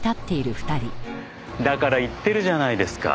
だから言ってるじゃないですか。